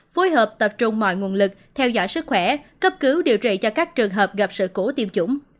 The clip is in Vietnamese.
phối hợp tập trung mọi nguồn lực theo dõi sức khỏe cấp cứu điều trị cho các trường hợp gặp sự cố tiêm chủng